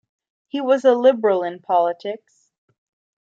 He was a liberal in politics.